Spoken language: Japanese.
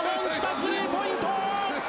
スリーポイント！